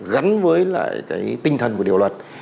gắn với lại tinh thần của điều luật